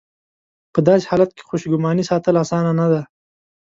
په داسې حالت کې خوشګماني ساتل اسانه نه ده.